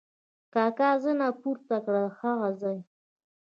کاکا زنه پورته کړه: هغه ځای!